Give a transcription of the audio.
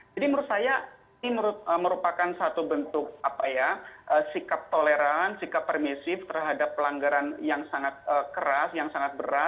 jadi menurut saya ini merupakan satu bentuk sikap toleran sikap permisif terhadap pelanggaran yang sangat keras yang sangat berat yang sangat berat